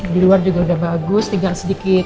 di luar juga udah bagus tinggal sedikit